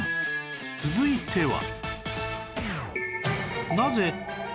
続いては